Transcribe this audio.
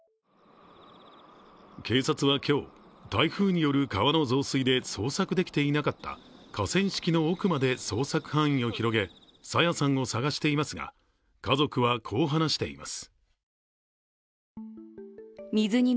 警察は今日、台風による川の増水で捜索できていなかった河川敷の奥まで捜索範囲を広げ、朝芽さんを捜していますが、家族はこう話しています。